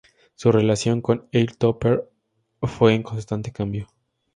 Su relación con Earl Tupper fue en constante cambio.